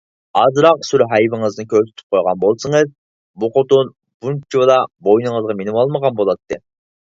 ئازراق سۈر-ھەيۋىڭىزنى كۆرسىتىپ قويغان بولسىڭىز، بۇ خوتۇن بۇنچىۋالا بوينىڭىزغا مىنىۋالمىغان بولاتتى.